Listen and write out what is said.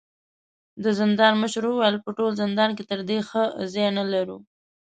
د زندان مشر وويل: په ټول زندان کې تر دې ښه ځای نه لرو.